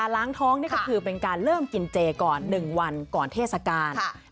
ล้างท้องนี่ก็คือเป็นการเริ่มกินเจก่อน๑วันก่อนเทศกาล